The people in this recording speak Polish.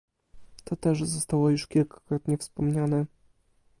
To też zostało już kilkakrotnie wspomniane